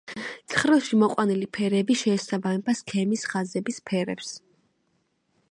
ცხრილში მოყვანილი ფერები შეესაბამება სქემის ხაზების ფერებს.